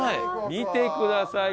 見てください！